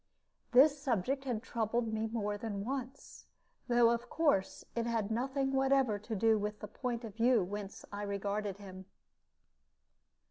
This subject had troubled me more than once, though of course it had nothing whatever to do with the point of view whence I regarded him.